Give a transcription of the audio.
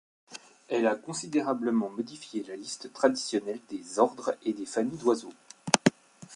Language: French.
Elle a considérablement modifié la liste traditionnelle des ordres et des familles d'oiseaux.